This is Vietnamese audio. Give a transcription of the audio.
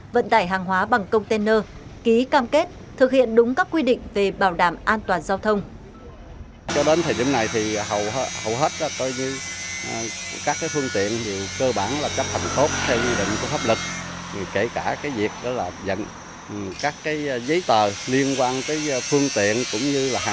vận tải hàng hóa bằng container ký cam kết thực hiện đúng các quy định về bảo đảm an toàn giao thông